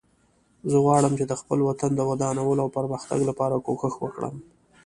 زه غواړم چې د خپل وطن د ودانولو او پرمختګ لپاره کوښښ وکړم